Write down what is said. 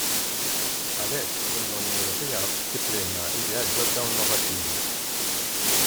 Għalhekk, l-Unjoni Ewropea tippremja ideat ġodda u innovattivi.